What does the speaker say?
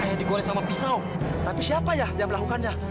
ini digoreng sama pisau tapi siapa ya yang melakukannya